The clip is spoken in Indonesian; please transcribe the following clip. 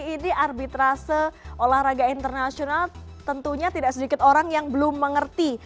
ini arbitrase olahraga internasional tentunya tidak sedikit orang yang belum mengerti